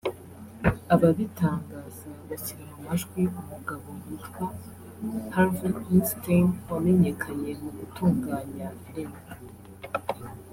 Ababitangaza bashyira mu majwi umugabo witwa Harvey Weinstein wamenyekanye mu gutunganya filimi